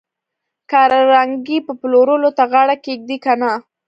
کارنګي به پلورلو ته غاړه کېږدي که نه